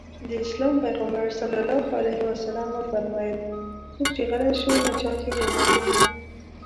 د اسلام پيغمبر ص وفرمايل څوک چې غلی شو نجات يې ومونده.